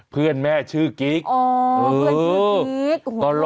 เพื่อนแม่ชื่อกิ๊ก